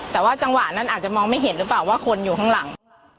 แต่ว่าจังหวะนั้นอาจจะมองไม่เห็นหรือเปล่าว่าคนอยู่ข้างหลัง